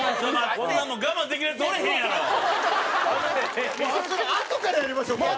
こんなのあとからやりましょうもう。